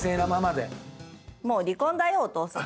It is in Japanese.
もう離婚だよお父さん。